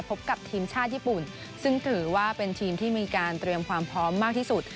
พบกับทีมชาติญี่ปุ่นซึ่งถือว่าเป็นทีมที่มีการเตรียมความพร้อมมากที่สุด